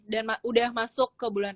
dan udah masuk ke bulan